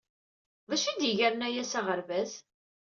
D acu i d yegren aya s aɣerbaz?